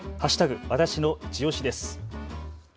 わたしのいちオシです。